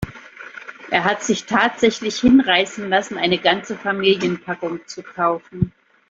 Er hat sich tatsächlich hinreißen lassen, eine ganze Familienpackung zu kaufen.